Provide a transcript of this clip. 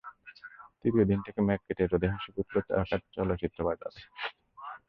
তৃতীয় দিন থেকে মেঘ কেটে রোদের হাসি ফুটল ঢাকার চলচ্চিত্র বাজারে।